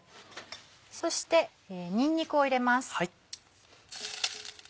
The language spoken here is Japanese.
そしてにんにくを入れます。